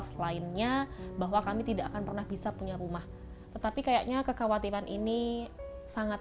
selainnya bahwa kami tidak akan pernah bisa punya rumah tetapi kayaknya kekhawatiran ini sangat